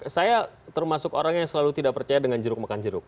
saya termasuk orang yang selalu tidak percaya dengan jeruk makan jeruk